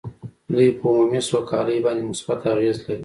دوی په عمومي سوکالۍ باندې مثبت اغېز لري